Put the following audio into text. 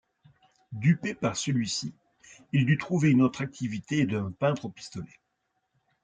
Dupé par celui-ci, il dut trouver une autre activité et devint peintre au pistolet.